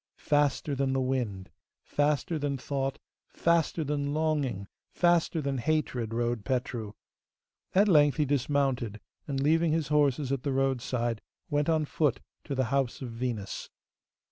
Faster than the wind, faster than thought, faster than longing, faster than hatred rode Petru. At length he dismounted, and, leaving his horses at the roadside, went on foot to the house of Venus.